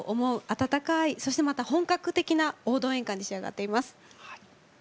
あたたかいそしてまた本格的な王道演歌に仕上がっています。